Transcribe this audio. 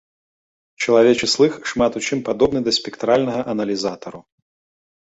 Чалавечы слых шмат у чым падобны да спектральнага аналізатару.